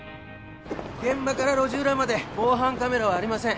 現場から路地裏まで防犯カメラはありません